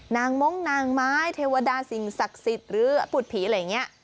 มงค์นางไม้เทวดาสิ่งศักดิ์สิทธิ์หรือผุดผีอะไรอย่างนี้